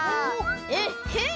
えっへん！